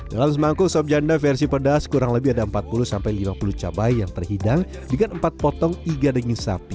dalam semangkuk sobjanda versi pedas kurang lebih ada empat puluh lima puluh cabai yang terhidang dengan empat potong iga dengan sapi